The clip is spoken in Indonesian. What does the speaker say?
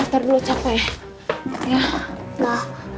bentar dulu capek